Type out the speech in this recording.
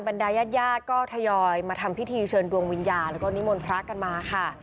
บรรดายาดก็ทยอยมาทำพิธีเชิญดวงวิญญาณแล้วก็นิมนต์พระกันมาค่ะ